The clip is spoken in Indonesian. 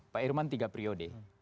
pak irman tiga priode